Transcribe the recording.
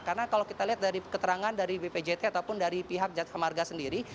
karena kalau kita lihat dari keterangan dari bpjt ataupun dari pihak jasa marga sendiri